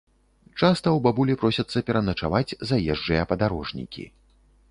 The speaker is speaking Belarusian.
Часта ў бабулі просяцца пераначаваць заезджыя падарожнікі.